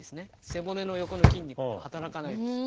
背骨の横の筋肉働かないです。